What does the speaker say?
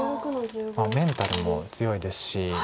メンタルも強いですし。